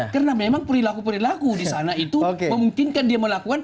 karena memang perilaku perilaku di sana itu memungkinkan dia melakukan